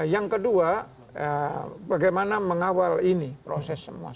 yang kedua bagaimana mengawal ini proses semua